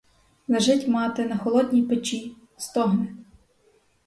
Лежить мати на холодній печі, стогне.